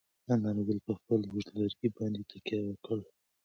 انارګل په خپل اوږد لرګي باندې تکیه وکړه.